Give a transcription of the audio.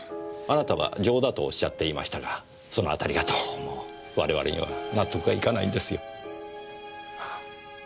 あなたは情だとおっしゃっていましたがそのあたりがどうも我々には納得がいかないんですよ。